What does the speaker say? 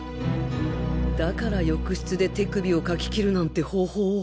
だから浴室で手首をかき切るなんて方法を。